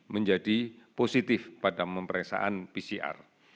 menjadi positif pada pemeriksaan pcr